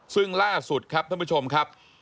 ซึ่งล่าสุดครับท่านผู้ชมครับ